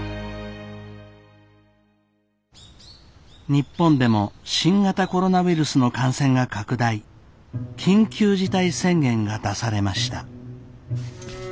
日本でも新型コロナウイルスの感染が拡大緊急事態宣言が出されました。